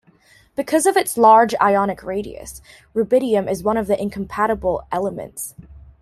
Because of its large ionic radius, rubidium is one of the incompatible elements.